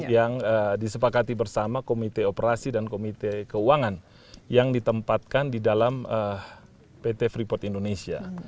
yang disepakati bersama komite operasi dan komite keuangan yang ditempatkan di dalam pt freeport indonesia